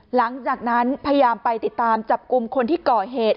หลังจากนั้นพยายามไปติดตามจับกลุ่มคนที่ก่อเหตุ